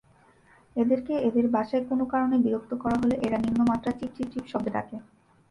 এদেরকে এদের বাসায় কোন কারণে বিরক্ত করা হলে, এরা নিম্ন মাত্রার চিপ-চিপ-চিপ শব্দে ডাকে।